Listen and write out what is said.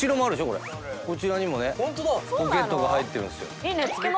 これこっち側にもねポケットが入ってるんですよ